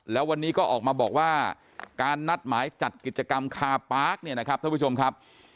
แล้ววันนี้ก็ออกมาบอกว่าการนัดหมายจัดกิจกรรมคาปาร์คเนี่ยนะครับท่านผู้ชมครับ